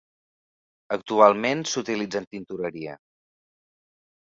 Actualment s'utilitza en tintoreria.